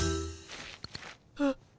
あっ。